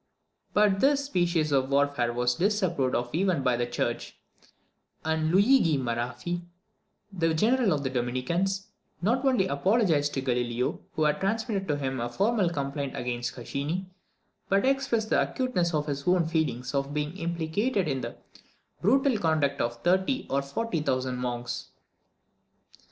But this species of warfare was disapproved of even by the church; and Luigi Maraffi, the general of the Dominicans, not only apologised to Galileo, who had transmitted to him a formal complaint against Caccini, but expressed the acuteness of his own feelings on being implicated in the "brutal conduct of thirty or forty thousand monks."